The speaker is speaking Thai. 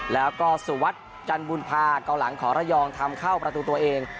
แล้วก็สุวัทธ์จันบูลพาร์ฟก่อนหลังขอระยองถามเข้าประตูตัวเอง